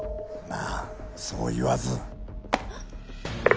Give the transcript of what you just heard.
まあそう言わず。